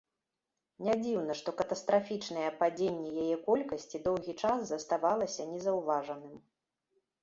Нядзіўна, што катастрафічнае падзенне яе колькасці доўгі час заставалася незаўважаным.